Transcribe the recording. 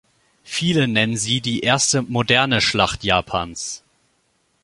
Viele nennen sie die erste 'moderne' Schlacht Japans.